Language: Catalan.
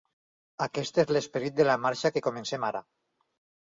Aquest és l’esperit de la marxa que comencem ara.